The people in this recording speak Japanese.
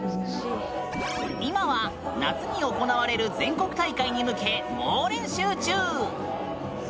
今は夏に行われる全国大会に向け猛練習中。